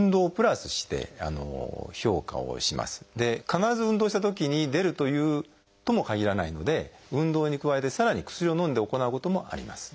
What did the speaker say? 必ず運動したときに出るともかぎらないので運動に加えてさらに薬を飲んで行うこともあります。